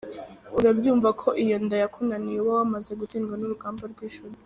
Urabyumva ko iyo inda yakunaniye uba wamaze gutsindwa n’urugamba rw’ijuru.